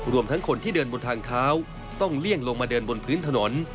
รวมทั้งคนที่เดินบนทางเท้าต้องเลี่ยงลงมาเดินบนพื้นถนน